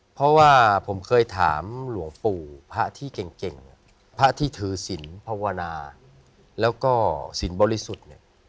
เพราะว่าผมเคยถามหลวงปู่พระที่เก่งพระที่ถือศิลปภาวนาแล้วก็สินบริสุทธิ์เนี่ย